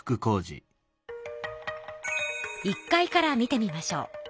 １階から見てみましょう。